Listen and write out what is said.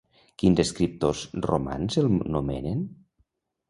Quins escriptors romans el nomenen?